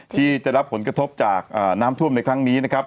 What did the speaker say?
ที่จะรับผลกระทบจากน้ำท่วมในครั้งนี้นะครับ